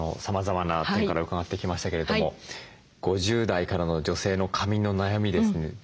さまざまな点から伺ってきましたけれども５０代からの女性の髪の悩みですね